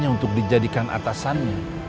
kalau masih kalau satu hari